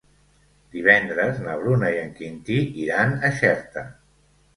Divendres na Bruna i en Quintí iran a Xerta.